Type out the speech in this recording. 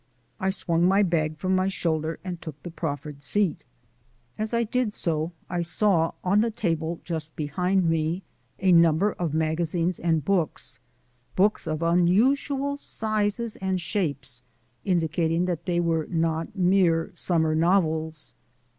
I swung my bag from my shoulder and took the proffered seat. As I did so I saw, on the table just behind me a number magazines and books books of unusual sizes and shapes, indicating that they were not mere summer novels.